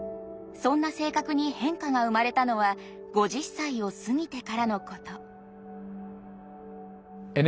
そんな性格に変化が生まれたのは５０歳を過ぎてからのこと。